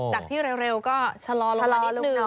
จากที่เร็วก็ชะลอลงมานิดนึง